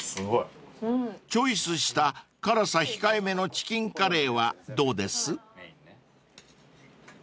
［チョイスした辛さ控えめのチキンカレーはどうです？］